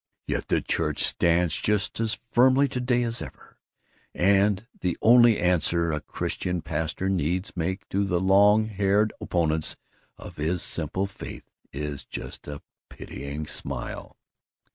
Yet the church stands just as firmly to day as ever, and the only answer a Christian pastor needs make to the long haired opponents of his simple faith is just a pitying smile!